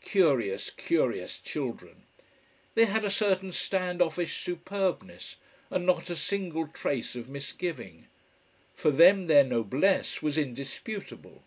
Curious, curious children! They had a certain stand offish superbness, and not a single trace of misgiving. For them, their "noblesse" was indisputable.